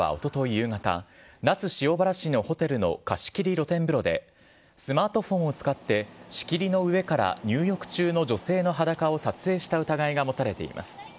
夕方、那須塩原市のホテルの貸し切り露天風呂で、スマートフォンを使って、仕切りの上から入浴中の女性の裸を撮影した疑いが持たれています。